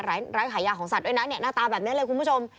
ร้านขายยาของสัตว์ด้วยนะเนี่ยหน้าตาแบบนี้เลยคุณผู้ชม